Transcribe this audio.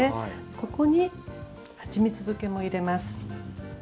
ここにはちみつ漬けも入れます。